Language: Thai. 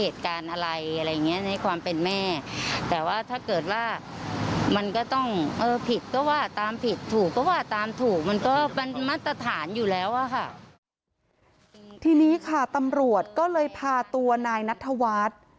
ทีนี้ค่ะตำรวจก็เลยพาตัวนายนัทธวัฒน์